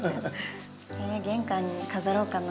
玄関に飾ろうかな？